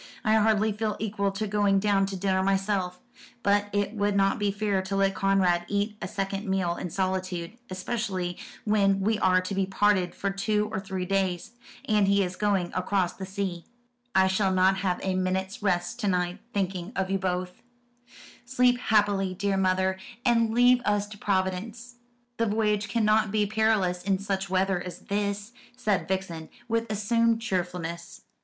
"I hardly feel equal to going down to dinner myself; but it would not be fair to let Conrad eat a second meal in solitude, especially when we are to be parted for two or three days and he is going across the sea. I shall not have a minute's rest to night, thinking of you both." "Sleep happily, dear mother, and leave us to Providence. The voyage cannot be perilous in such weather as this," said Vixen, with assumed cheerfulness.